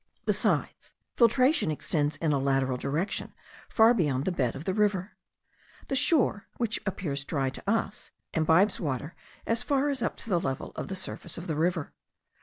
Besides, filtration extends in a lateral direction far beyond the bed of the river. The shore, which appears dry to us, imbibes water as far up as to the level of the surface of the river.